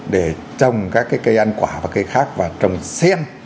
để trồng các cái cây ăn quả và cây khác và trồng sen